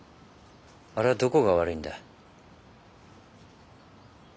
あれはどこが悪いんだ？